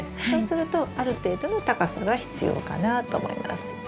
そうするとある程度の高さが必要かなと思います。